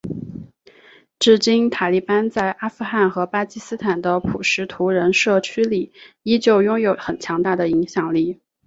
至今塔利班在阿富汗和巴基斯坦的普什图人社区里依旧拥有很强大的影响力。